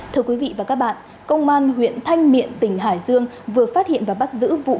thưa quý vị và các bạn công an huyện thanh miện tỉnh hải dương vừa phát hiện và bắt giữ vụ